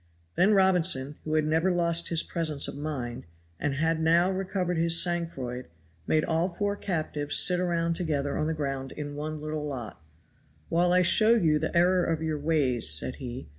Then Robinson, who had never lost his presence of mind, and had now recovered his sang froid, made all four captives sit around together on the ground in one little lot, "While I show you the error of your ways," said he.